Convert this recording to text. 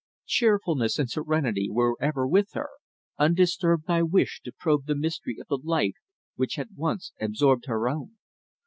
Cheerfulness and serenity were ever with her, undisturbed by wish to probe the mystery of the life which had once absorbed her own.